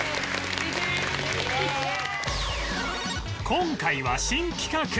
今回は新企画